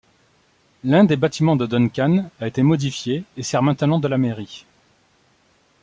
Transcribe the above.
L'un des bâtiments de Duncan a été modifié et sert maintenant de la mairie.